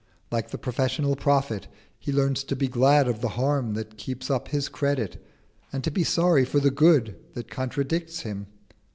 Like the professional prophet, he learns to be glad of the harm that keeps up his credit, and to be sorry for the good that contradicts him.